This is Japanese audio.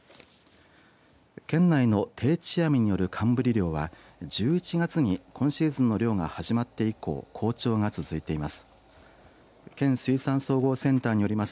県内の定置網による寒ぶり漁は１１月に今シーズンの漁が始まって以降好調が続いています。